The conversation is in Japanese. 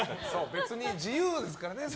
別に自由ですからね。